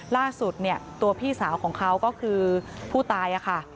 ล่าสุดเนี่ยตัวพี่สาวของเขาก็คือผู้ตายค่ะ